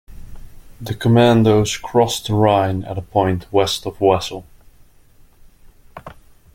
The Commandos crossed the Rhine at a point west of Wesel.